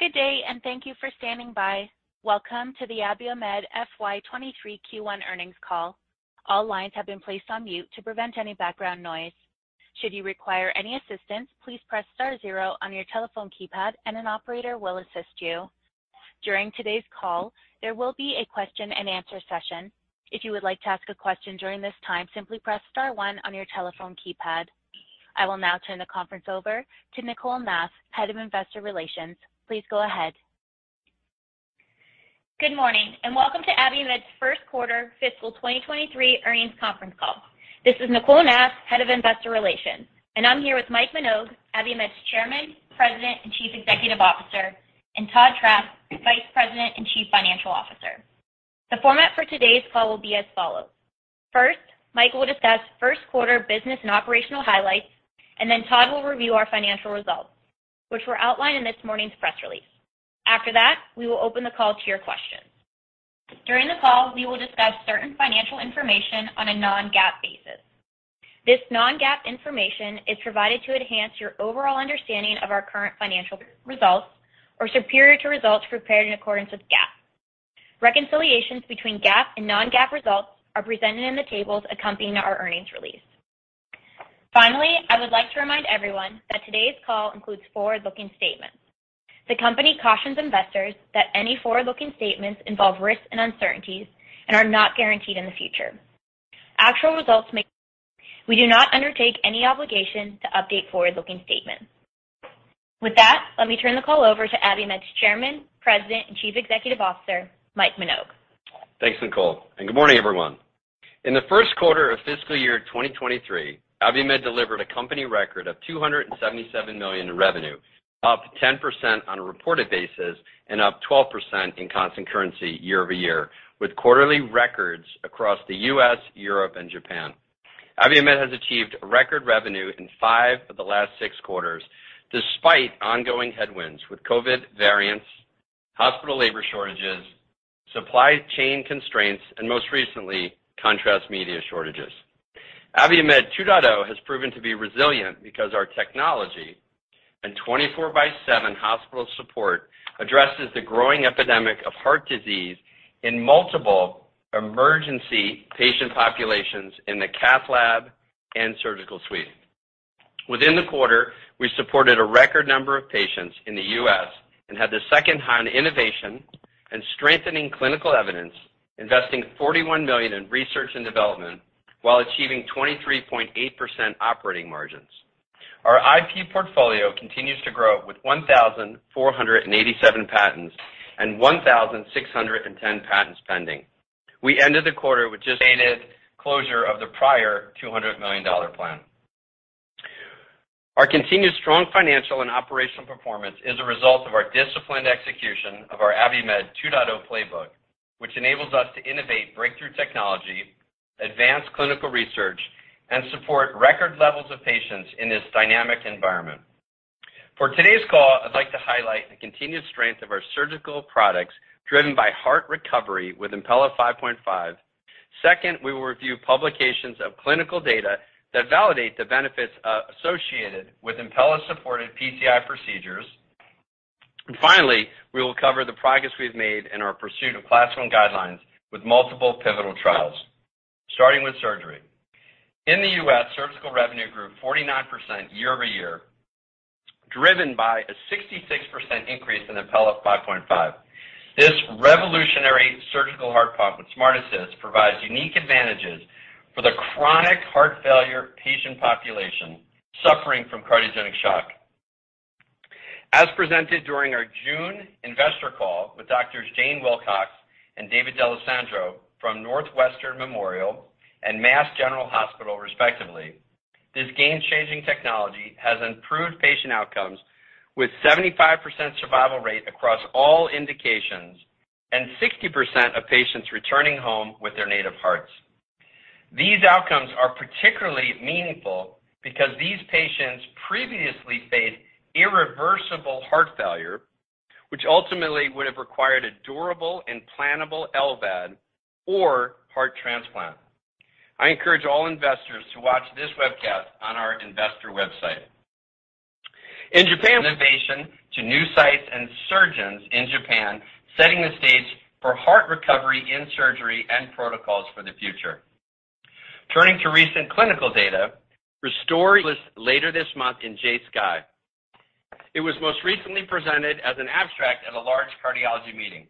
Good day, thank you for standing by. Welcome to the Abiomed FY 2023 Q1 Earnings Call. All lines have been placed on mute to prevent any background noise. Should you require any assistance, please press star zero on your telephone keypad and an operator will assist you. During today's call, there will be a question and answer session. If you would like to ask a question during this time, simply press star one on your telephone keypad. I will now turn the conference over to Nicole Nath, Head of Investor Relations. Please go ahead. Good morning and welcome to Abiomed's first quarter fiscal 2023 earnings conference call. This is Nicole Nath, Head of Investor Relations, and I'm here with Mike Minogue, Abiomed's Chairman, President, and Chief Executive Officer, and Todd Trapp, Vice President and Chief Financial Officer. The format for today's call will be as follows. First, Mike will discuss Q1 business and operational highlights, and then Todd will review our financial results which were outlined in this morning's press release. After that, we will open the call to your questions. During the call, we will discuss certain financial information on a non-GAAP basis. This non-GAAP information is provided to enhance your overall understanding of our current financial results, and is not superior to results prepared in accordance with GAAP. Reconciliations between GAAP and non-GAAP results are presented in the tables accompanying our earnings release. Finally, I would like to remind everyone that today's call includes forward-looking statements. The company cautions investors that any forward-looking statements involve risks and uncertainties and are not guaranteed in the future. We do not undertake any obligation to update forward-looking statements. With that, let me turn the call over to Abiomed's Chairman, President, and Chief Executive Officer, Mike Minogue. Thanks, Nicole, and good morning, everyone. In the Q1 of fiscal year 2023, Abiomed delivered a company record of $277 million in revenue, up 10% on a reported basis and up 12% in constant currency year-over-year, with quarterly records across the U.S., Europe, and Japan. Abiomed has achieved a record revenue in five of the last six quarters despite ongoing headwinds with COVID variants, hospital labor shortages, supply chain constraints, and most recently, contrast media shortages. Abiomed 2.0 has proven to be resilient because our technology and 24/7 hospital support addresses the growing epidemic of heart disease in multiple emergency patient populations in the cath lab and surgical suite. Within the quarter, we supported a record number of patients in the U.S. and had the second-highest on innovation and strengthening clinical evidence, investing $41 million in research and development while achieving 23.8% operating margins. Our IP portfolio continues to grow with 1,487 patents and 1,610 patents pending. We ended the quarter with the closure of the prior $200 million plan. Our continued strong financial and operational performance is a result of our disciplined execution of our Abiomed 2.0 playbook, which enables us to innovate breakthrough technology, advance clinical research and support record levels of patients in this dynamic environment. For today's call, I'd like to highlight the continued strength of our surgical products driven by heart recovery with Impella 5.5. Second, we will review publications of clinical data that validate the benefits associated with Impella-supported PCI procedures. Finally, we will cover the progress we've made in our pursuit of class I guidelines with multiple pivotal trials. Starting with surgery. In the U.S., surgical revenue grew 49% year-over-year, driven by a 66% increase in Impella 5.5. This revolutionary surgical heart pump with SmartAssist provides unique advantages for the chronic heart failure patient population suffering from cardiogenic shock. As presented during our June investor call with Doctors Jane Wilcox and David A. D'Alessandro from Northwestern Memorial Hospital and Massachusetts General Hospital, respectively, this game-changing technology has improved patient outcomes with 75% survival rate across all indications and 60% of patients returning home with their native hearts. These outcomes are particularly meaningful because these patients previously faced irreversible heart failure which ultimately would have required a durable implantable LVAD or heart transplant. I encourage all investors to watch this webcast on our investor website. In Japan, introduction to new sites and surgeons in Japan, setting the stage for heart recovery in surgery and protocols for the future. Turning to recent clinical data, RESTORE was later this month in JACC. It was most recently presented as an abstract at a large cardiology meeting.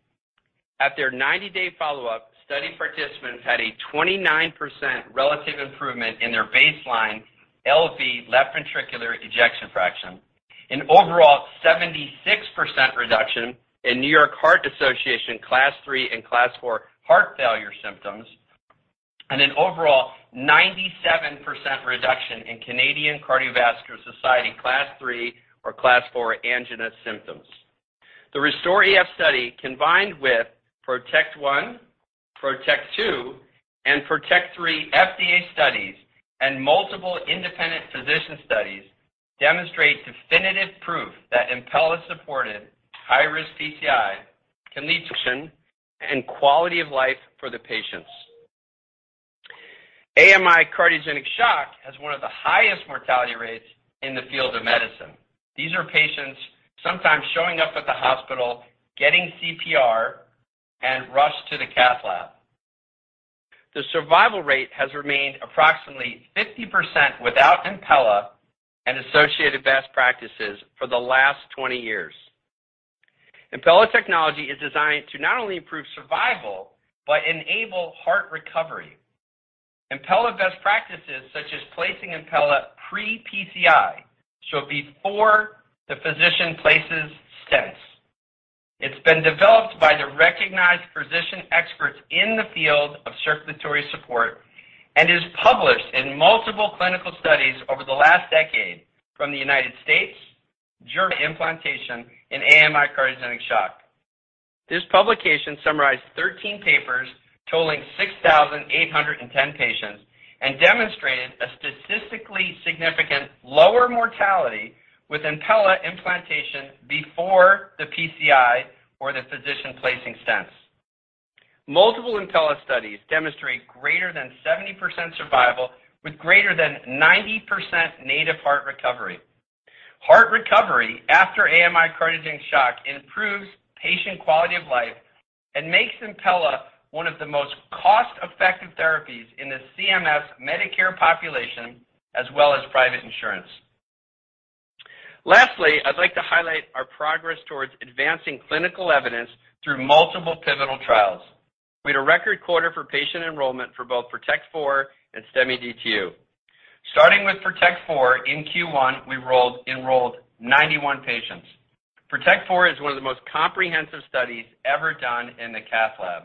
At their 90-day follow-up, study participants had a 29% relative improvement in their baseline LV left ventricular ejection fraction, an overall 76% reduction in New York Heart Association Class III and Class IV heart failure symptoms, and an overall 97% reduction in Canadian Cardiovascular Society Class III or Class IV angina symptoms. The RESTORE EF study, combined with PROTECT I, PROTECT II, and PROTECT III FDA studies and multiple independent physician studies demonstrate definitive proof that Impella-supported high-risk PCI can lead to function and quality of life for the patients. AMI cardiogenic shock has one of the highest mortality rates in the field of medicine. These are patients sometimes showing up at the hospital, getting CPR, and rushed to the cath lab. The survival rate has remained approximately 50% without Impella and associated best practices for the last 20 years. Impella technology is designed to not only improve survival but enable heart recovery. Impella best practices, such as placing Impella pre-PCI, so before the physician places stents. It has been developed by the recognized physician experts in the field of circulatory support and is published in multiple clinical studies over the last decade from the United States Journal of Interventional Cardiology in AMI cardiogenic shock. This publication summarized 13 papers totaling 6,810 patients and demonstrated a statistically significant lower mortality with Impella implantation before the PCI or the physician placing stents. Multiple Impella studies demonstrate greater than 70% survival with greater than 90% native heart recovery. Heart recovery after AMI cardiogenic shock improves patient quality of life and makes Impella one of the most cost-effective therapies in the CMS Medicare population, as well as private insurance. Lastly, I'd like to highlight our progress towards advancing clinical evidence through multiple pivotal trials. We had a record quarter for patient enrollment for both PROTECT IV and STEMI DTU. Starting with PROTECT IV, in Q1, we enrolled 91 patients. PROTECT IV is one of the most comprehensive studies ever done in the cath lab.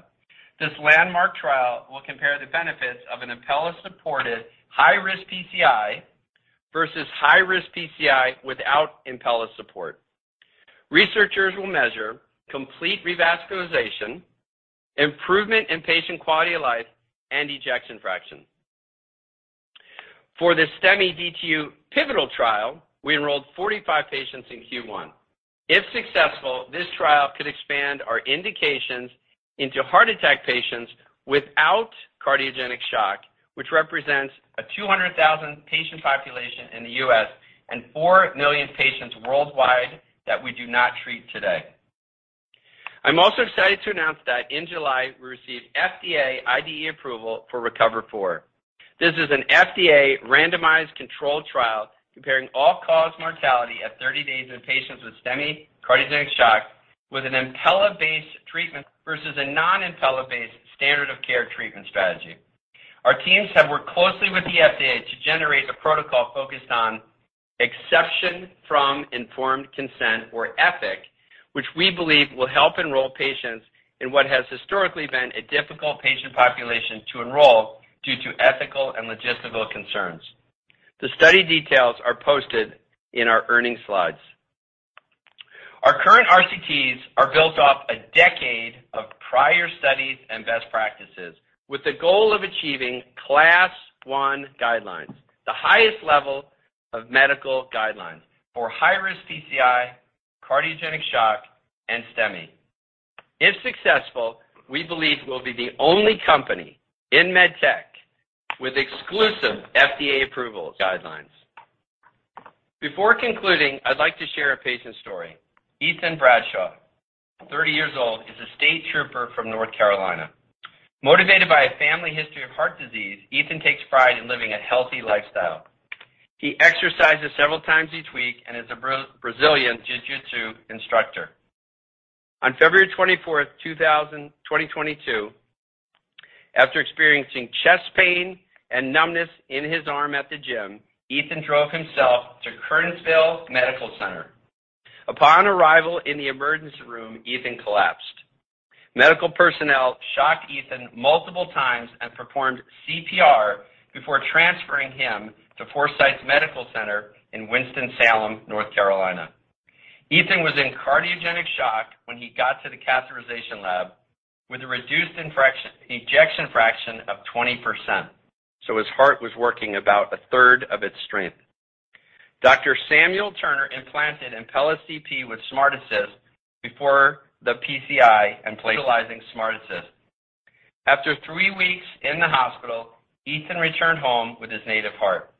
This landmark trial will compare the benefits of an Impella-supported high-risk PCI versus high-risk PCI without Impella support. Researchers will measure complete revascularization, improvement in patient quality of life, and ejection fraction. For the STEMI DTU pivotal trial, we enrolled 45 patients in Q1. If successful, this trial could expand our indications into heart attack patients without cardiogenic shock, which represents a 200,000 patient population in the U.S. and 4 million patients worldwide that we do not treat today. I'm also excited to announce that in July, we received FDA IDE approval for RECOVER IV. This is an FDA randomized controlled trial comparing all-cause mortality at 30 days in patients with STEMI cardiogenic shock with an Impella-based treatment versus a non-Impella-based standard of care treatment strategy. Our teams have worked closely with the FDA to generate a protocol focused on exception from informed consent, or EFIC, which we believe will help enroll patients in what has historically been a difficult patient population to enroll due to ethical and logistical concerns. The study details are posted in our earnings slides. Our current RCTs are built off a decade of prior studies and best practices with the goal of achieving Class I guidelines, the highest level of medical guidelines for high risk PCI, cardiogenic shock, and STEMI. If successful, we believe we'll be the only company in med tech with exclusive FDA approval guidelines. Before concluding, I'd like to share a patient story. Ethan Bradshaw, 30 years old, is a state trooper from North Carolina. Motivated by a family history of heart disease, Ethan takes pride in living a healthy lifestyle. He exercises several times each week and is a Brazilian jiu-jitsu instructor. On 24 February 2022, after experiencing chest pain and numbness in his arm at the gym, Ethan drove himself to Kernersville Medical Center. Upon arrival in the emergency room, Ethan collapsed. Medical personnel shocked Ethan multiple times and performed CPR before transferring him to Forsyth Medical Center in Winston-Salem, North Carolina. Ethan was in cardiogenic shock when he got to the catheterization lab with a reduced ejection fraction of 20%, so his heart was working about a third of its strength. Dr. Samuel Turner implanted Impella CP with SmartAssist before the PCI and placing SmartAssist. After three weeks in the hospital, Ethan returned home with his native heart.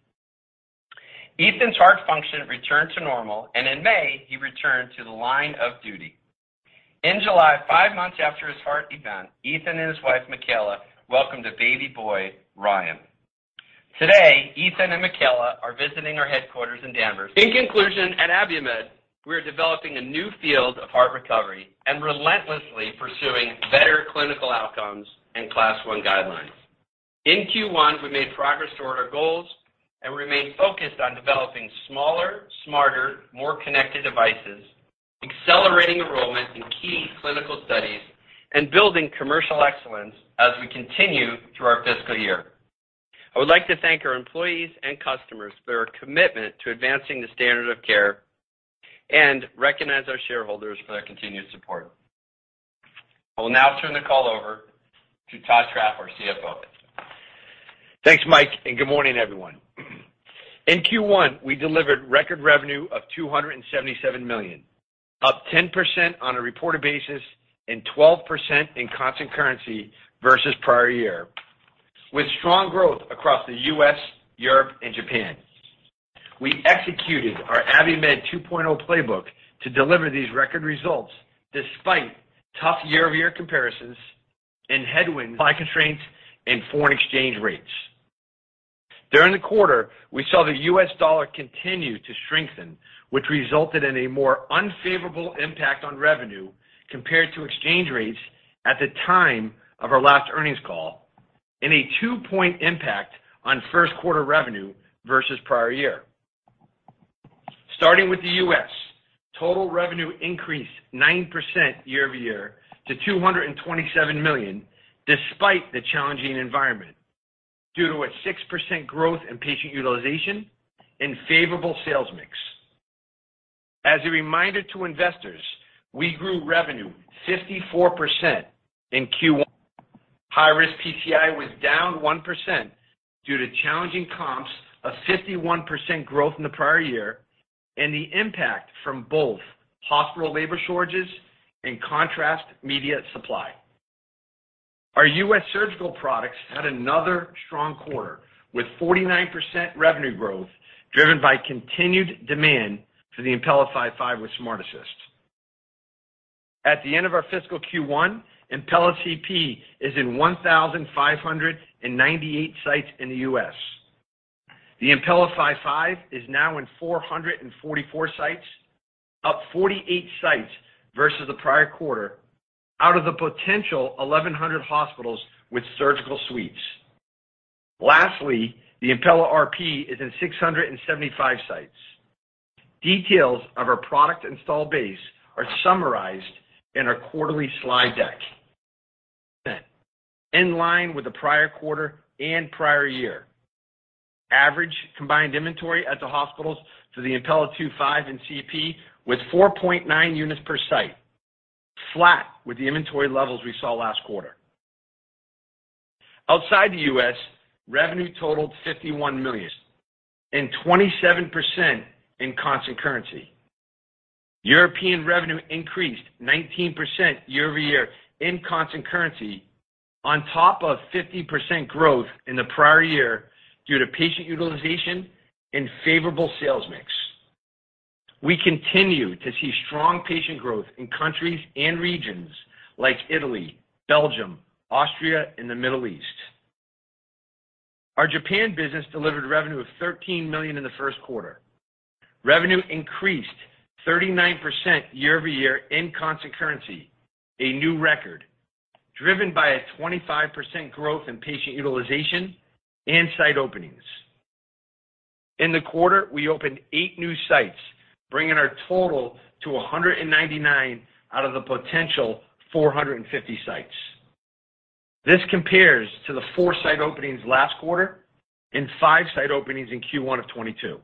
Ethan's heart function returned to normal, and in May, he returned to the line of duty. In July, five months after his heart event, Ethan and his wife, Mickaela, welcomed a baby boy, Ryan. Today, Ethan and Mickaela are visiting our headquarters in Danvers. In conclusion, at Abiomed, we are developing a new field of heart recovery and relentlessly pursuing better clinical outcomes and Class I guidelines. In Q1, we made progress toward our goals and remain focused on developing smaller, smarter, more connected devices, accelerating enrollment in key clinical studies, and building commercial excellence as we continue through our fiscal year. I would like to thank our employees and customers for their commitment to advancing the standard of care and recognize our shareholders for their continued support. I will now turn the call over to Todd Trapp, our CFO. Thanks, Mike, and good morning, everyone. In Q1, we delivered record revenue of $277 million, up 10% on a reported basis and 12% in constant currency versus prior year, with strong growth across the U.S., Europe, and Japan. We executed our Abiomed 2.0 playbook to deliver these record results despite tough year-over-year comparisons and headwinds by constraints and foreign exchange rates. During the quarter, we saw the U.S. dollar continue to strengthen, which resulted in a more unfavorable impact on revenue compared to exchange rates at the time of our last earnings call, and a 2-point impact on Q1 revenue versus prior year. Starting with the U.S., total revenue increased 9% year-over-year to $227 million despite the challenging environment due to a 6% growth in patient utilization and favorable sales mix. As a reminder to investors, we grew revenue 54% in Q1. High-risk PCI was down 1% due to challenging comps of 51% growth in the prior year and the impact from both hospital labor shortages and contrast media supply. Our US surgical products had another strong quarter with 49% revenue growth, driven by continued demand for the Impella 5.5 with SmartAssist. At the end of our fiscal Q1, Impella CP is in 1,598 sites in the U.S. The Impella 5.5 is now in 444 sites, up 48 sites versus the prior quarter out of the potential 1,100 hospitals with surgical suites. Lastly, the Impella RP is in 675 sites. Details of our product install base are summarized in our quarterly slide deck. In line with the prior quarter and prior year. Average combined inventory at the hospitals for the Impella 2.5 and CP with 4.9 units per site, flat with the inventory levels we saw last quarter. Outside the U.S., revenue totaled $51 million and 27% in constant currency. European revenue increased 19% year-over-year in constant currency on top of 50% growth in the prior year due to patient utilization and favorable sales mix. We continue to see strong patient growth in countries and regions like Italy, Belgium, Austria, and the Middle East. Our Japan business delivered revenue of $13 million in the Q1. Revenue increased 39% year-over-year in constant currency, a new record, driven by a 25% growth in patient utilization and site openings. In the quarter, we opened eight new sites, bringing our total to 199 out of the potential 450 sites. This compares to the four site openings last quarter and five site openings in Q1 of 2022.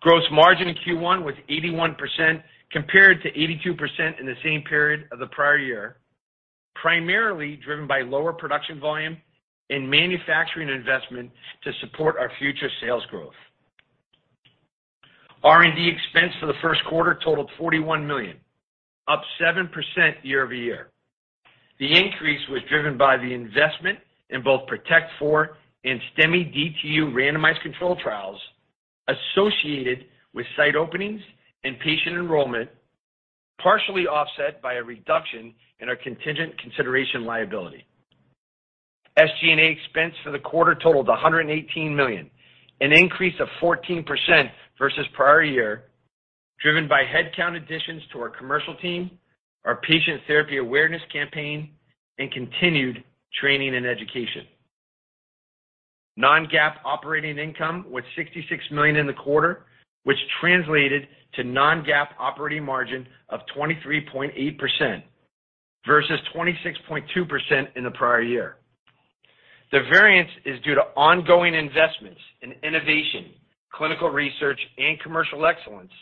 Gross margin in Q1 was 81% compared to 82% in the same period of the prior year, primarily driven by lower production volume and manufacturing investment to support our future sales growth. R&D expense for the Q1 totaled $41 million, up 7% year-over-year. The increase was driven by the investment in both PROTECT IV and STEMI DTU randomized controlled trials associated with site openings and patient enrollment, partially offset by a reduction in our contingent consideration liability. SG&A expense for the quarter totaled $118 million, an increase of 14% versus prior year, driven by headcount additions to our commercial team, our patient therapy awareness campaign, and continued training and education. Non-GAAP operating income was $66 million in the quarter, which translated to non-GAAP operating margin of 23.8% versus 26.2% in the prior year. The variance is due to ongoing investments in innovation, clinical research and commercial excellence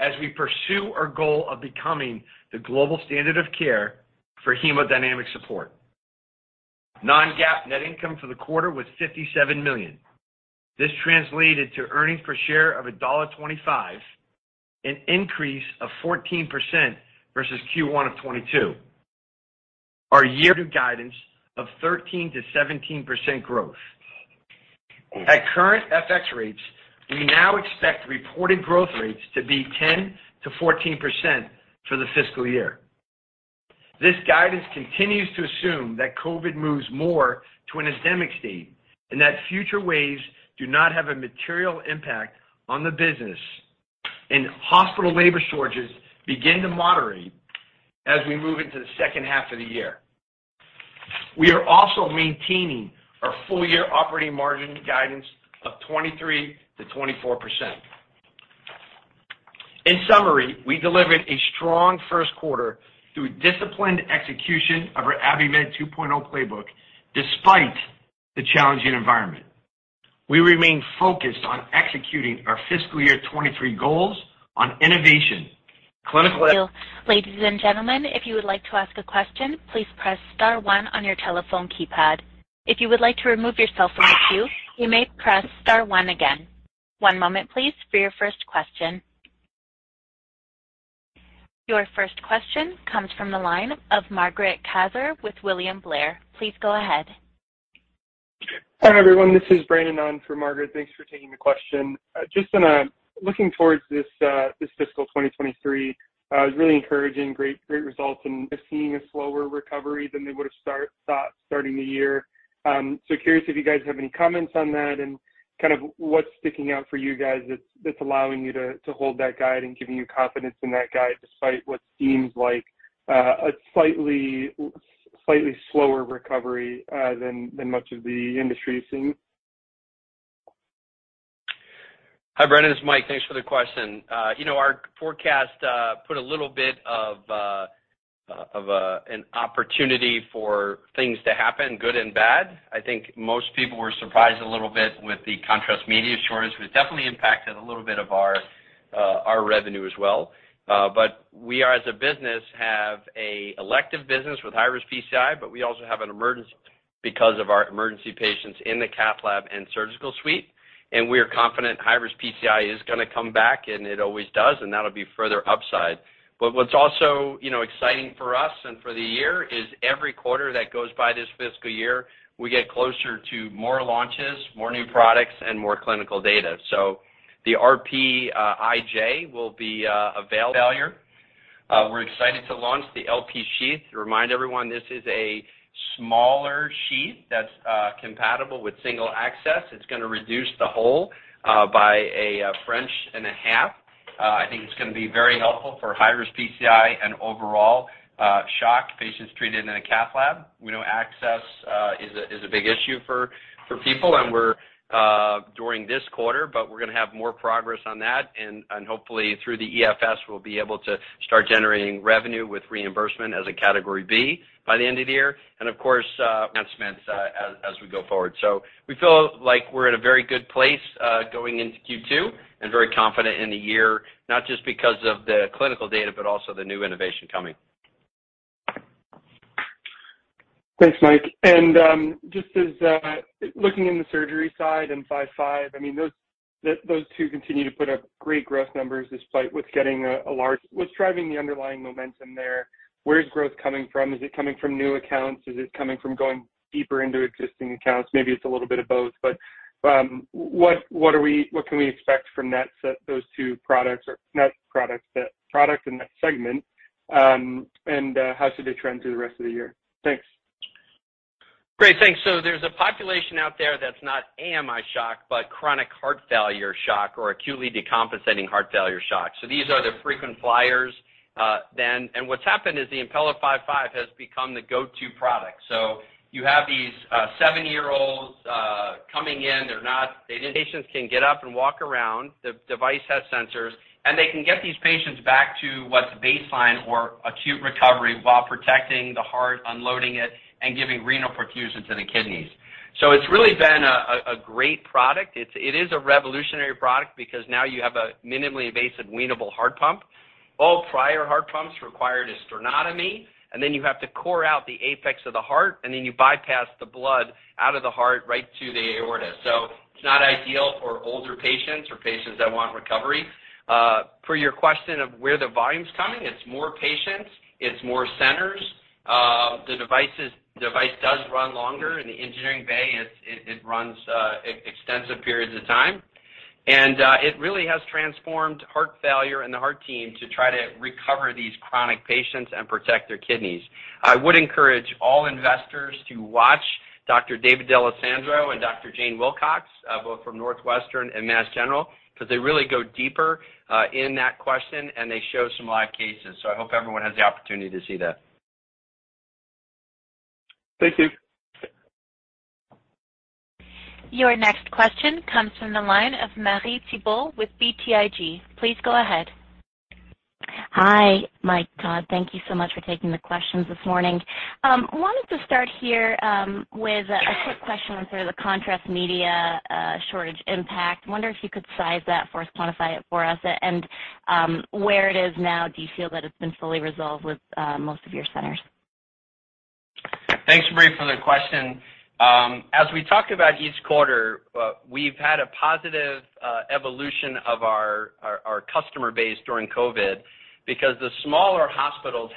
as we pursue our goal of becoming the global standard of care for hemodynamic support. Non-GAAP net income for the quarter was $57 million. This translated to earnings per share of $1.25, an increase of 14% versus Q1 of 2022. Our year guidance of 13%-17% growth. At current FX rates, we now expect reported growth rates to be 10%-14% for the fiscal year. This guidance continues to assume that COVID moves more to an endemic state, and that future waves do not have a material impact on the business, and hospital labor shortages begin to moderate as we move into the second half of the year. We are also maintaining our full year operating margin guidance of 23%-24%. In summary, we delivered a strong Q1 through disciplined execution of our Abiomed 2.0 playbook despite the challenging environment. We remain focused on executing our fiscal year 2023 goals on innovation. Ladies and gentlemen, if you would like to ask a question, please press star one on your telephone keypad. If you would like to remove yourself from the queue, you may press star one again. One moment please for your first question. Your first question comes from the line of Margaret Kaczor with William Blair. Please go ahead. Hi, everyone. This is Brandon on for Margaret. Thanks for taking the question. Just looking towards this fiscal 2023, was really encouraging great results and seeing a slower recovery than they would have thought starting the year. So curious if you guys have any comments on that and kind of what's sticking out for you guys that's allowing you to hold that guide and giving you confidence in that guide despite what seems like a slightly slower recovery than much of the industry is seeing. Hi, Brandon. It's Mike. Thanks for the question. You know, our forecast put a little bit of an opportunity for things to happen, good and bad. I think most people were surprised a little bit with the contrast media shortage, which definitely impacted a little bit of our revenue as well. We as a business have an elective business with high-risk PCI, but we also have an emergency because of our emergency patients in the cath lab and surgical suite. We are confident high-risk PCI is gonna come back, and it always does, and that'll be further upside. What's also, you know, exciting for us and for the year is every quarter that goes by this fiscal year, we get closer to more launches, more new products and more clinical data. The RP IJ will be available. We're excited to launch the LP sheath. To remind everyone this is a smaller sheath that's compatible with single access. It's gonna reduce the hole by 1.5 French. I think it's gonna be very helpful for high-risk PCI and overall shock patients treated in a cath lab. We know access is a big issue for people, and we're during this quarter, but we're gonna have more progress on that. Hopefully through the EFS, we'll be able to start generating revenue with reimbursement as a Category B by the end of the year and, of course, announcements as we go forward. We feel like we're in a very good place, going into Q2 and very confident in the year, not just because of the clinical data, but also the new innovation coming. Thanks, Mike. Just looking on the surgical side and 5.5, I mean, those two continue to put up great growth numbers despite what's getting a large. What's driving the underlying momentum there? Where's growth coming from? Is it coming from new accounts? Is it coming from going deeper into existing accounts? Maybe it's a little bit of both. What can we expect from that set, those two products or not products, that product in that segment? How should they trend through the rest of the year? Thanks. Great. Thanks. There's a population out there that's not AMI shock, but chronic heart failure shock or acutely decompensating heart failure shock. These are the frequent flyers. What's happened is the Impella 5.5 has become the go-to product. You have these 70-year-olds coming in. Patients can get up and walk around. The device has sensors, and they can get these patients back to what's baseline or acute recovery while protecting the heart, unloading it, and giving renal perfusion to the kidneys. It's really been a great product. It is a revolutionary product because now you have a minimally invasive weanable heart pump. All prior heart pumps required a sternotomy, and then you have to core out the apex of the heart, and then you bypass the blood out of the heart right to the aorta. It's not ideal for older patients or patients that want recovery. For your question of where the volume's coming, it's more patients, it's more centers. The device does run longer. In the engineering bay, it runs extensive periods of time. It really has transformed heart failure and the heart team to try to recover these chronic patients and protect their kidneys. I would encourage all investors to watch Dr. David A. D'Alessandro and Dr. Jane Wilcox, both from Northwestern and Mass General, 'cause they really go deeper in that question, and they show some live cases. I hope everyone has the opportunity to see that. Thank you. Your next question comes from the line of Marie Thibault with BTIG. Please go ahead. Hi, Mike, Todd, thank you so much for taking the questions this morning. Wanted to start here with a quick question on sort of the contrast media shortage impact. Wonder if you could size that for us, quantify it for us and where it is now, do you feel that it's been fully resolved with most of your centers? Thanks, Marie, for the question. As we talk about each quarter, we've had a positive evolution of our customer base during COVID because the smaller hospitals.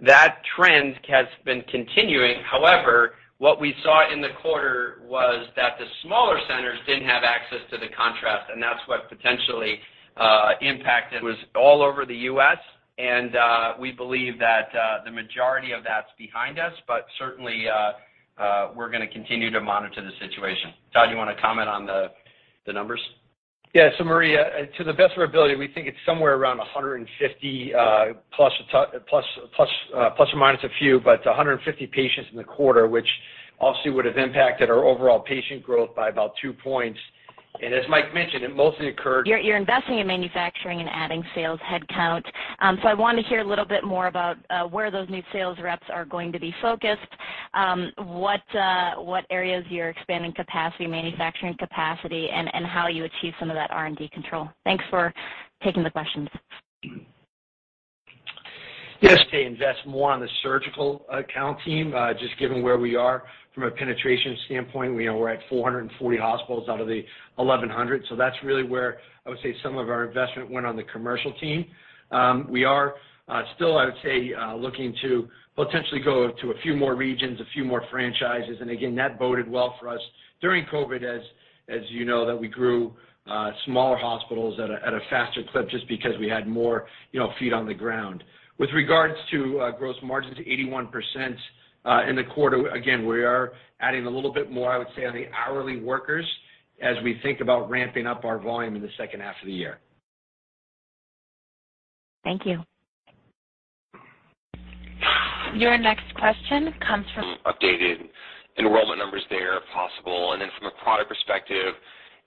That trend has been continuing. However, what we saw in the quarter was that the smaller centers didn't have access to the contrast, and that's what potentially impacted. It was all over the U.S., and we believe that the majority of that's behind us. Certainly, we're gonna continue to monitor the situation. Todd, you wanna comment on the numbers? Marie, to the best of our ability, we think it's somewhere around 150, plus or minus a few, but 150 patients in the quarter, which obviously would have impacted our overall patient growth by about 2%. As Mike mentioned, it mostly occurred. You're investing in manufacturing and adding sales headcount. I wanna hear a little bit more about where those new sales reps are going to be focused, what areas you're expanding capacity, manufacturing capacity, and how you achieve some of that R&D control? Thanks for taking the questions. Yes, to invest more on the surgical account team, just given where we are from a penetration standpoint. We know we're at 440 hospitals out of the 1,100. That's really where I would say some of our investment went on the commercial team. We are still, I would say, looking to potentially go to a few more regions, a few more franchises. Again, that boded well for us during COVID as you know, that we grew smaller hospitals at a faster clip just because we had more, you know, feet on the ground. With regards to gross margins, 81% in the quarter, again, we are adding a little bit more, I would say, on the hourly workers as we think about ramping up our volume in the second half of the year. Thank you. Your next question comes from. Updated enrollment numbers there, if possible. From a product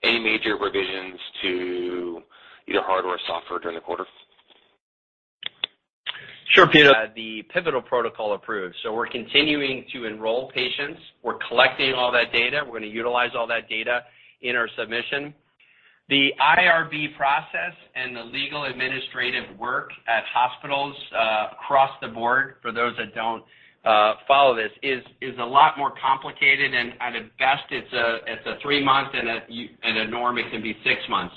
perspective, any major revisions to either hardware or software during the quarter? Sure, Peter. The pivotal protocol approved. We're continuing to enroll patients. We're collecting all that data. We're gonna utilize all that data in our submission. The IRB process and the legal administrative work at hospitals across the board, for those that don't follow this, is a lot more complicated, and at best it's a three-month, and a norm it can be six months.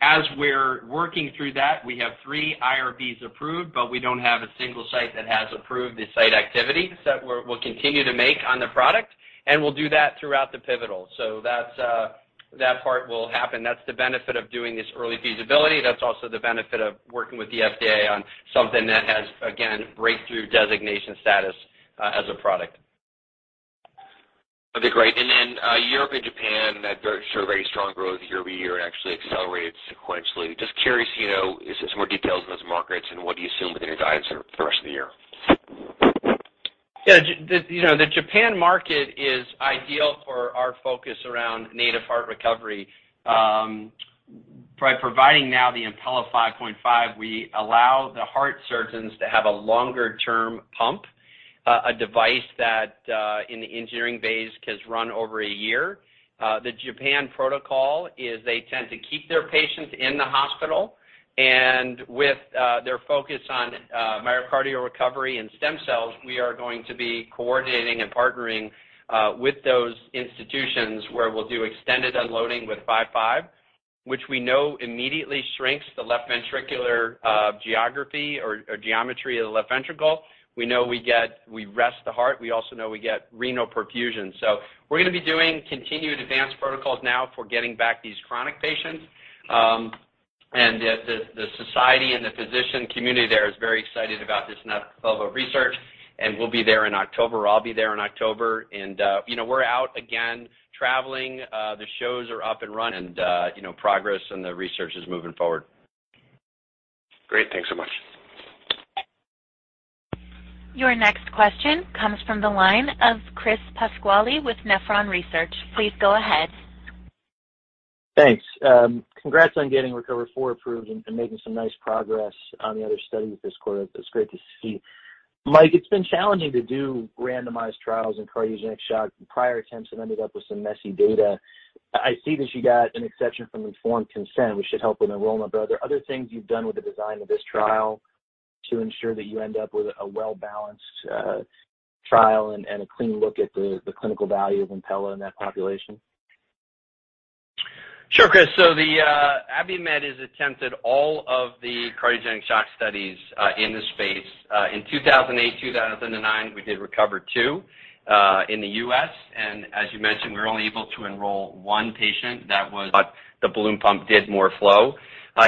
As we're working through that, we have three IRBs approved, but we don't have a single site that has approved the site activity that we'll continue to make on the product, and we'll do that throughout the pivotal. That part will happen. That's the benefit of doing this early feasibility. That's also the benefit of working with the FDA on something that has, again, breakthrough designation status as a product. Okay, great. Europe and Japan that show very strong growth year over year and actually accelerated sequentially. Just curious, you know, is there more details in those markets and what do you assume within your guidance for the rest of the year? Yeah, you know, the Japan market is ideal for our focus around native heart recovery. By providing now the Impella 5.5, we allow the heart surgeons to have a longer-term pump, a device that in the engineering phase has run over a year. The Japan protocol is they tend to keep their patients in the hospital. With their focus on myocardial recovery and stem cells, we are going to be coordinating and partnering with those institutions where we'll do extended unloading with 5.5, which we know immediately shrinks the left ventricular geometry of the left ventricle. We know we get. We rest the heart. We also know we get renal perfusion. We're gonna be doing continued advanced protocols now for getting back these chronic patients. The society and the physician community there is very excited about this level of research, and we'll be there in October. I'll be there in October, you know, we're out again traveling. The shows are up and running and, you know, progress and the research is moving forward. Great. Thanks so much. Your next question comes from the line of Chris Pasquale with Nephron Research. Please go ahead. Thanks. Congrats on getting RECOVER IV approved and making some nice progress on the other study this quarter. It's great to see. Mike, it's been challenging to do randomized trials in cardiogenic shock. Prior attempts have ended up with some messy data. I see that you got an exception from informed consent, which should help with enrollment. Are there other things you've done with the design of this trial to ensure that you end up with a well-balanced trial and a clean look at the clinical value of Impella in that population? Sure, Chris. Abiomed has attempted all of the cardiogenic shock studies in the space. In 2008, 2009, we did RECOVER II in the U.S. As you mentioned, we were only able to enroll one patient, but the balloon pump did more flow.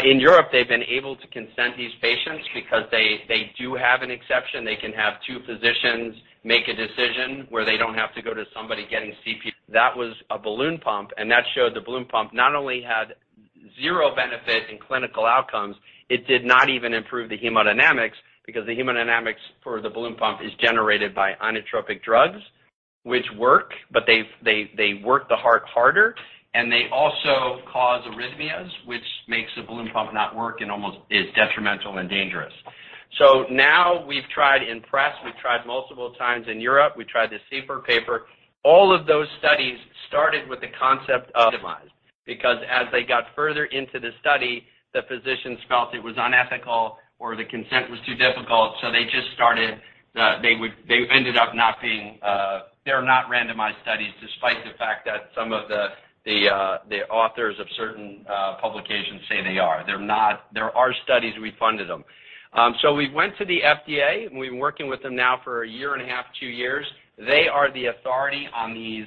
In Europe, they've been able to consent these patients because they do have an exception. They can have two physicians make a decision where they don't have to go to somebody getting CPR. That was a balloon pump, and that showed the balloon pump not only had zero benefit in clinical outcomes, it did not even improve the hemodynamics because the hemodynamics for the balloon pump is generated by inotropic drugs, which work, but they work the heart harder, and they also cause arrhythmias, which makes the balloon pump not work and almost is detrimental and dangerous. Now we've tried IMPRESS, we've tried multiple times in Europe, we tried the COAPT paper. All of those studies started with the concept of randomized, because as they got further into the study, the physicians felt it was unethical or the consent was too difficult, so they just started. They ended up not being randomized studies despite the fact that some of the authors of certain publications say they are. They're not. There are studies, we funded them. We went to the FDA and we've been working with them now for a year and a half, two years. They are the authority on these,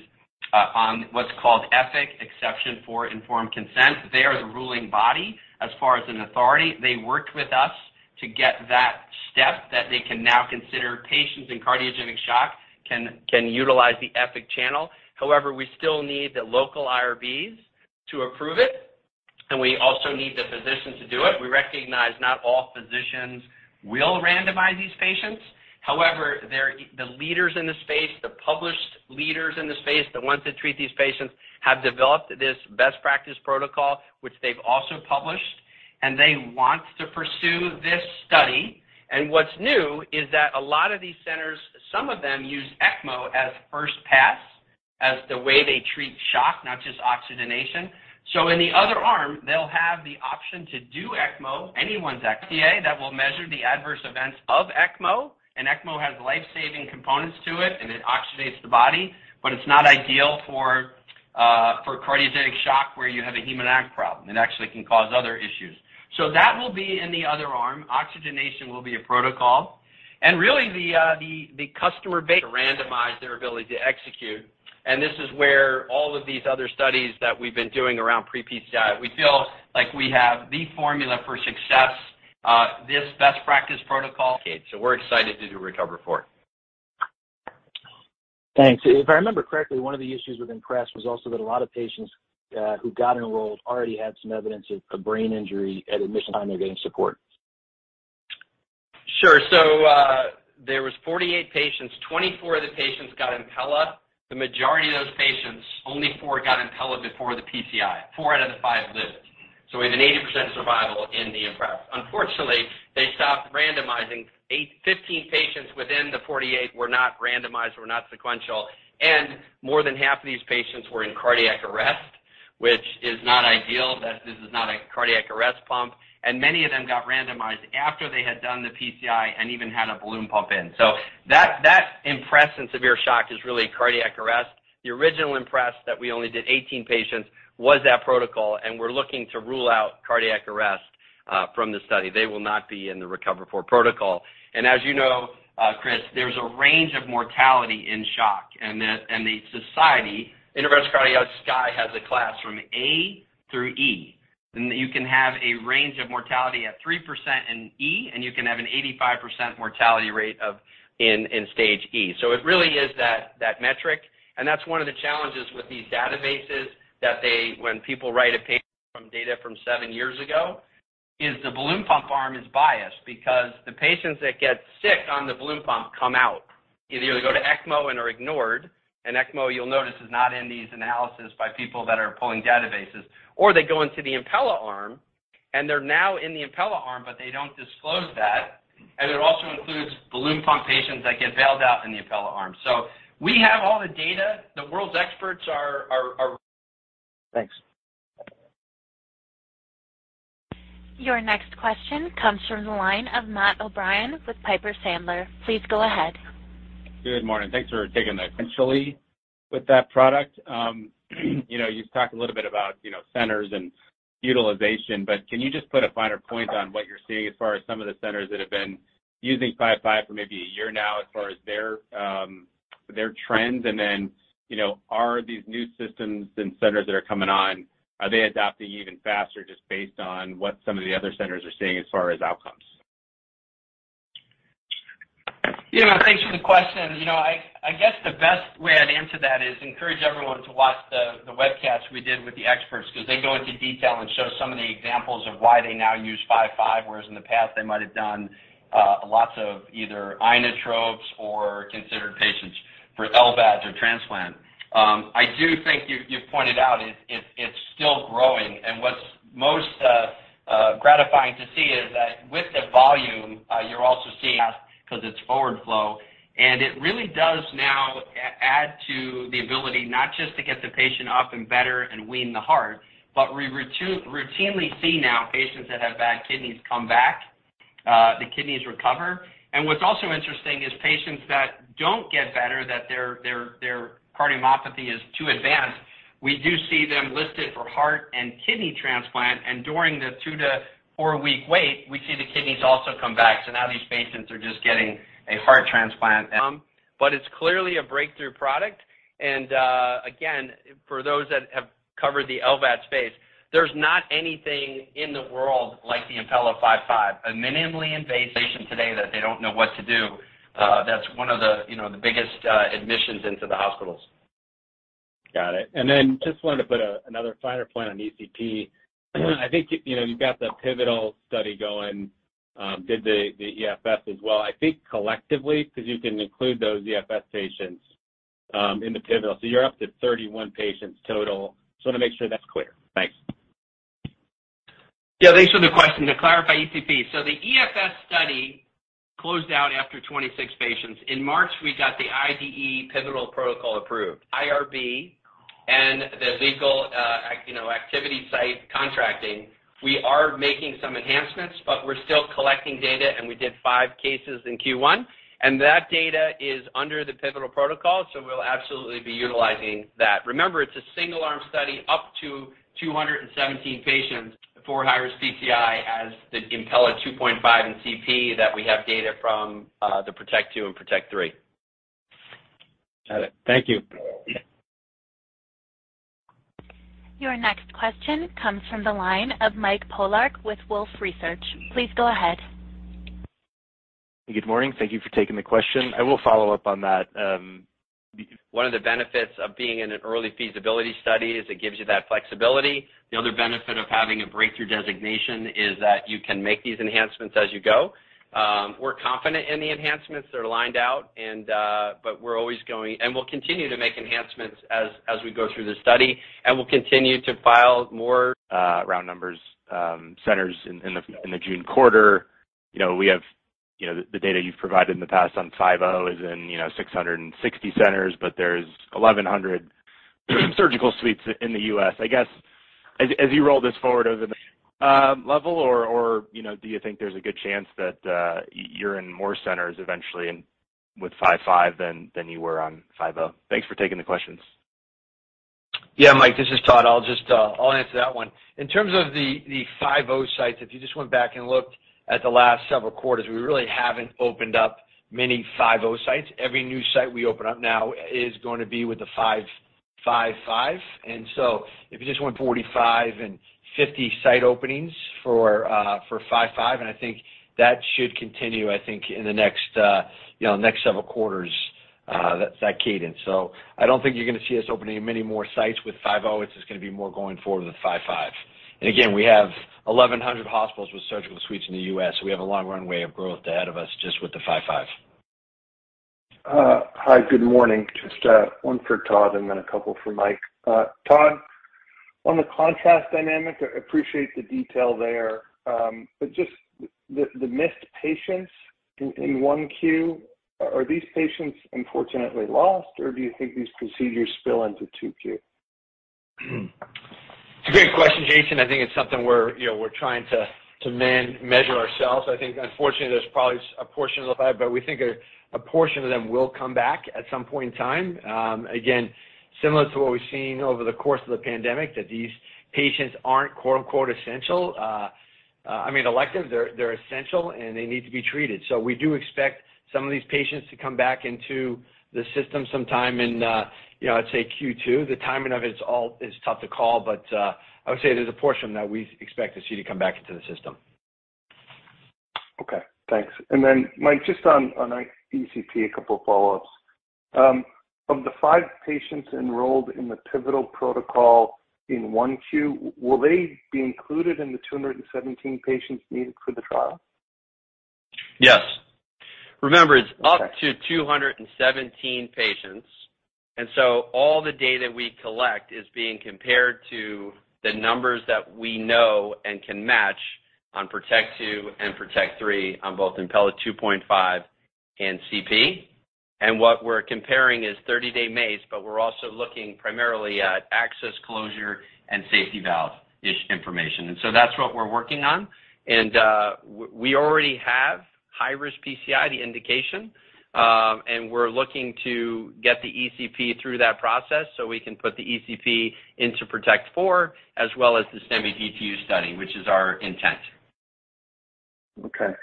on what's called EFIC Exception for Informed Consent. They are the ruling body as far as an authority. They worked with us to get that step that they can now consider patients in cardiogenic shock can utilize the EFIC channel. However, we still need the local IRBs to approve it, and we also need the physician to do it. We recognize not all physicians will randomize these patients. However, they're the leaders in the space, the published leaders in the space, the ones that treat these patients, have developed this best practice protocol, which they've also published. They want to pursue this study. What's new is that a lot of these centers, some of them use ECMO as first pass, as the way they treat shock, not just oxygenation. In the other arm, they'll have the option to do ECMO, anyone's ECMO, that will measure the adverse events of ECMO. ECMO has life-saving components to it, and it oxygenates the body, but it's not ideal for cardiogenic shock where you have a hemodynamic problem. It actually can cause other issues. That will be in the other arm. Oxygenation will be a protocol. Really randomize their ability to execute. This is where all of these other studies that we've been doing around pre-PCI. We feel like we have the formula for success, this best practice protocol. Okay, so we're excited to do RECOVER IV. Thanks. If I remember correctly, one of the issues with IMPRESS was also that a lot of patients who got enrolled already had some evidence of a brain injury at admission time. They're getting support. Sure. There was 48 patients,24 of the patients got Impella. The majority of those patients, only four got Impella before the PCI. Four out of the five lived. We have an 80% survival in the IMPRESS. Unfortunately, they stopped randomizing. Fifteen patients within the 48 were not randomized, were not sequential, and more than half of these patients were in cardiac arrest, which is not ideal, that this is not a cardiac arrest pump. Many of them got randomized after they had done the PCI and even had a balloon pump in. That IMPRESS in severe shock is really a cardiac arrest. The original IMPRESS that we only did 18 patients was that protocol, and we're looking to rule out cardiac arrest from the study. They will not be in the RECOVER IV protocol. As you know, Chris, there's a range of mortality in shock and the society, Interventional Cardiologists, SCAI, has a class from A through E. You can have a range of mortality at 3% in E, and you can have an 85% mortality rate in stage E. It really is that metric, and that's one of the challenges with these databases that they, when people write a paper from data from seven years ago, is the balloon pump arm is biased because the patients that get sick on the balloon pump come out. They either go to ECMO and are ignored, and ECMO, you'll notice, is not in these analysis by people that are pulling databases, or they go into the Impella arm, and they're now in the Impella arm, but they don't disclose that. It also includes balloon pump patients that get bailed out in the Impella arm. We have all the data. The world's experts are Thanks. Your next question comes from the line of Matt O'Brien with Piper Sandler. Please go ahead. Good morning. Potentially with that product. You know, you've talked a little bit about, you know, centers and utilization, but can you just put a finer point on what you're seeing as far as some of the centers that have been using 5.5 for maybe a year now as far as their trends? Then, you know, are these new systems and centers that are coming on, are they adapting even faster just based on what some of the other centers are seeing as far as outcomes? Yeah. Thanks for the question. You know, I guess the best way I'd answer that is encourage everyone to watch the webcast we did with the experts because they go into detail and show some of the examples of why they now use five, whereas in the past, they might have done lots of either inotropes or considered patients for LVADs or transplant. I do think you've pointed out it's still growing. What's most gratifying to see is that with the volume, you're also seeing, because it's forward flow. It really does now add to the ability not just to get the patient up and better and wean the heart, but we routinely see now patients that have bad kidneys come back, the kidneys recover. What's also interesting is patients that don't get better, that their cardiomyopathy is too advanced, we do see them listed for heart and kidney transplant, and during the two-to four-week wait, we see the kidneys also come back. Now these patients are just getting a heart transplant. It's clearly a breakthrough product. Again, for those that have covered the LVAD space, there's not anything in the world like the Impella 5.5. Patient today that they don't know what to do, that's one of the, you know, the biggest admissions into the hospitals. Got it. Just wanted to put another finer point on ECP. I think, you know, you've got the pivotal study going, did the EFS as well. I think collectively, because you can include those EFS patients in the pivotal. So you're up to 31 patients total. Just wanna make sure that's clear. Thanks. Yeah. Thanks for the question. To clarify ECPELLA, the EFS study closed out after 26 patients. In March, we got the IDE pivotal protocol approved, IRB and the legal, activity site contracting. We are making some enhancements, but we're still collecting data, and we did five cases in Q1. That data is under the pivotal protocol, so we'll absolutely be utilizing that. Remember, it's a single arm study up to 217 patients for higher CPI as the Impella 2.5 in CP that we have data from, the PROTECT II and PROTECT III. Got it. Thank you. Your next question comes from the line of Mike Polark with Wolfe Research. Please go ahead. Good morning. Thank you for taking the question. I will follow up on that. One of the benefits of being in an early feasibility study is it gives you that flexibility. The other benefit of having a breakthrough designation is that you can make these enhancements as you go. We're confident in the enhancements that are outlined and, but we're always going. We'll continue to make enhancements as we go through the study, and we'll continue to file more round numbers centers in the June quarter. You know, we have, you know, the data you've provided in the past on 5.0 is in 660 centers, but there's 1,100 surgical suites in the U.S. I guess as you roll this forward overall, you know, do you think there's a good chance that you're in more centers eventually with 5.5 than you were on 5.0. Thanks for taking the questions. Yeah, Mike, this is Todd. I'll just, I'll answer that one. In terms of the 5.0 sites, if you just went back and looked at the last several quarters, we really haven't opened up many 5.0 sites. Every new site we open up now is going to be with the 5.5. If you just went 45 and 50 site openings for 5.5, and I think that should continue, I think, in the next, you know, next several quarters, that cadence. I don't think you're gonna see us opening many more sites with 5.0. It's just gonna be more going forward with 5.5. Again, we have 1,100 hospitals with surgical suites in the U.S., so we have a long runway of growth ahead of us just with the 5.5. Hi, good morning. Just one for Todd and then a couple for Mike. Todd, on the contrast dynamic, I appreciate the detail there. But just the missed patients in Q1, are these patients unfortunately lost, or do you think these procedures spill into Q2? It's a great question, Jason. I think it's something we're trying to man-measure ourselves. I think unfortunately, there's probably a portion of that, but we think a portion of them will come back at some point in time. Again, similar to what we've seen over the course of the pandemic, that these patients aren't quote-unquote essential. I mean, elective, they're essential and they need to be treated. We do expect some of these patients to come back into the system sometime in, I'd say Q2. The timing of it is tough to call, but I would say there's a portion that we expect to see come back into the system. Okay, thanks. Mike, just on ECP, a couple follow-ups. Of the five patients enrolled in the pivotal protocol in 1Q, will they be included in the 217 patients needed for the trial? Yes. Remember, it's up to 217 patients, and so all the data we collect is being compared to the numbers that we know and can match on PROTECT II and PROTECT III on both Impella 2.5 and CP. What we're comparing is 30-day MACE, but we're also looking primarily at access closure and safety valve is information. That's what we're working on. We already have high-risk PCI, the indication, and we're looking to get the ECP through that process, so we can put the ECP into PROTECT IV as well as the STEMI DTU study, which is our intent. Okay.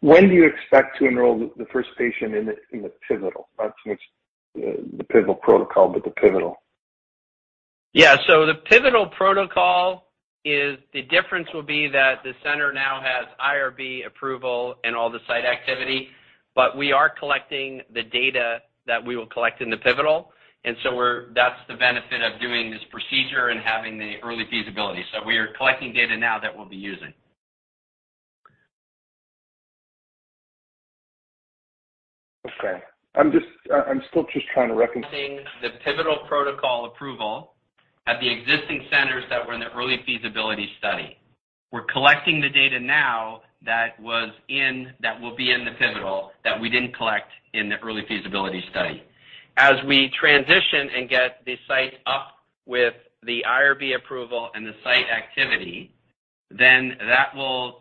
When do you expect to enroll the first patient in the pivotal? Not the pivotal protocol, but the pivotal. Yeah. The pivotal protocol is the difference will be that the center now has IRB approval and all the site activity, but we are collecting the data that we will collect in the pivotal, and that's the benefit of doing this procedure and having the early feasibility. We are collecting data now that we'll be using. Okay. I'm still just trying to reconcile. The pivotal protocol approval at the existing centers that were in the early feasibility study. We're collecting the data now that will be in the pivotal that we didn't collect in the early feasibility study. As we transition and get the site up with the IRB approval and the site activity, then that will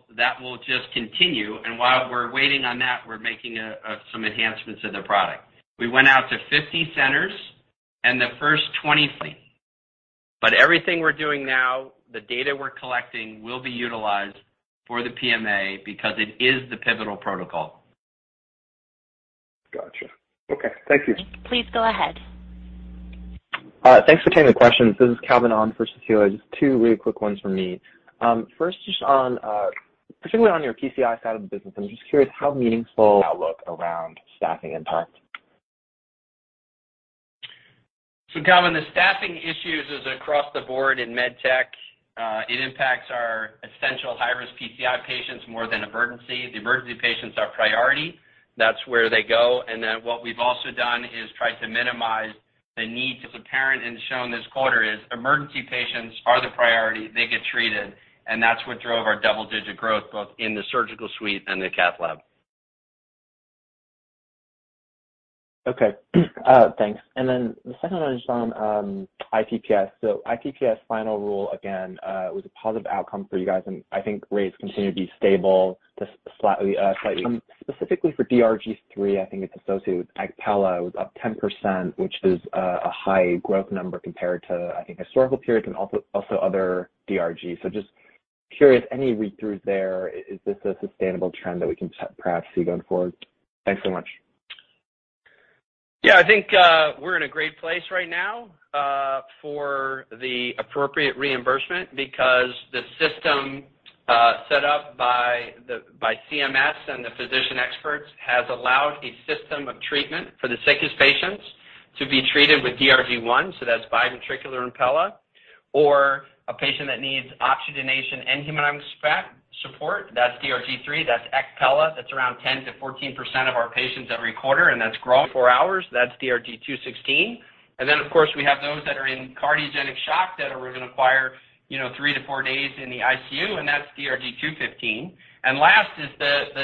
just continue. While we're waiting on that, we're making some enhancements to the product. We went out to 50 centers and the first 20. Everything we're doing now, the data we're collecting will be utilized for the PMA because it is the pivotal protocol. Gotcha. Okay. Thank you. Please go ahead. Thanks for taking the questions. This is Calvin On for [Secura]. Just two really quick ones from me. First, just on, particularly on your PCI side of the business, I'm just curious how meaningful outlook around staffing impact. Calvin, the staffing issues is across the board in med tech. It impacts our elective high-risk PCI patients more than emergency. The emergency patients are priority. That's where they go. What's apparent and shown this quarter is emergency patients are the priority. They get treated, and that's what drove our double-digit growth, both in the surgical suite and the cath lab. Okay. Thanks. The second one is on IPPS. IPPS final rule, again, was a positive outcome for you guys, and I think rates continue to be stable, just slightly. Specifically for DRG 3, I think it's associated with ECpella was up 10%, which is a high growth number compared to, I think, historical periods and also other DRGs. Just curious, any read-throughs there? Is this a sustainable trend that we can perhaps see going forward? Thanks so much. Yeah. I think we're in a great place right now for the appropriate reimbursement because the system set up by CMS and the physician experts has allowed a system of treatment for the sickest patients to be treated with DRG 1, so that's biventricular Impella. A patient that needs oxygenation and hemodynamic support, that's DRG 3, that's ECpella. That's around 10%-14% of our patients every quarter, and that's Four hours, that's DRG 216. Of course, we have those that are in cardiogenic shock that are gonna require, you know, three to four days in the ICU, and that's DRG 215. Last is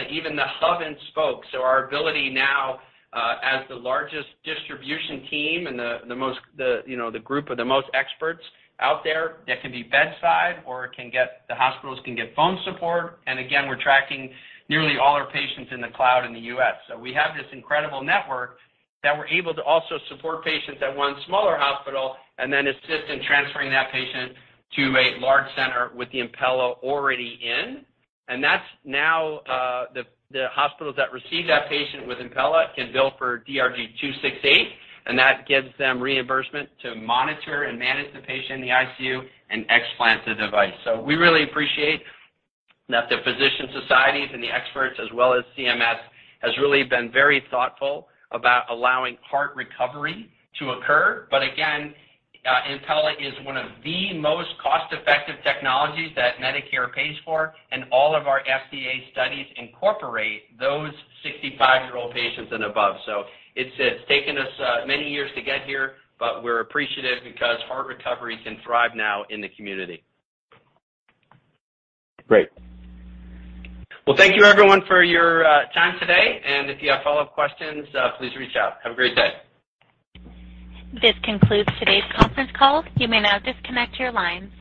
even the hub and spoke. Our ability now as the largest distribution team and the group of the most experts out there that can be bedside or the hospitals can get phone support. Again, we're tracking nearly all our patients in the cloud in the U.S. We have this incredible network that we're able to also support patients at one smaller hospital and then assist in transferring that patient to a large center with the Impella already in. That's now the hospitals that receive that patient with Impella can bill for DRG 268, and that gives them reimbursement to monitor and manage the patient in the ICU and explant the device. We really appreciate that the physician societies and the experts, as well as CMS, has really been very thoughtful about allowing heart recovery to occur. Again, Impella is one of the most cost-effective technologies that Medicare pays for, and all of our FDA studies incorporate those 65-year-old patients and above. It's taken us many years to get here, but we're appreciative because heart recovery can thrive now in the community. Great. Well, thank you everyone for your time today. If you have follow-up questions, please reach out. Have a great day. This concludes today's conference call. You may now disconnect your lines.